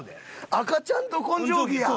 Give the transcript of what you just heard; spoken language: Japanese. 赤ちゃんど根性木や！